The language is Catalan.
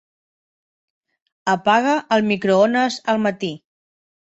Apaga el microones al matí.